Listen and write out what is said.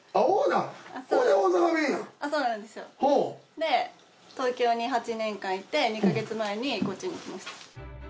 で東京に８年間いて２か月前にこっちに来ました。